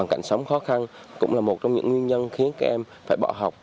cảnh sống khó khăn cũng là một trong những nguyên nhân khiến các em phải bỏ học